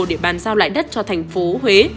để bàn giao lại đất cho thành phố huế